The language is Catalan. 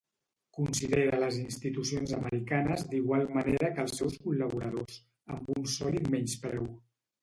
Considera les institucions americanes d’igual manera que els seus col·laboradors, amb un sòlid menyspreu.